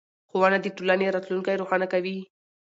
ښوونه د ټولنې راتلونکی روښانه کوي